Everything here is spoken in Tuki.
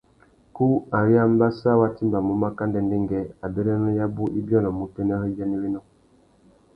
Kú ari ambassa wá timbamú maka ndêndêngüê, abérénô yabú i biônômú utênê râ ibianawénô.